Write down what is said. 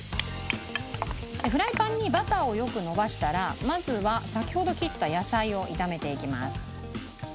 フライパンにバターをよくのばしたらまずは先ほど切った野菜を炒めていきます。